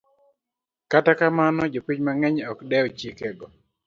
Kata kamano, jopiny mang'eny ok dew chikego.